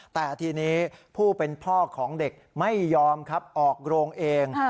แต่ทีนี้ผู้เป็นพ่อของเด็กไม่ยอมครับออกโรงเอง